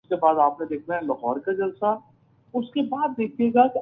ان میں سے یہ ایک ہے۔